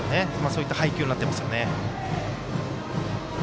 そういった配球になってますよね。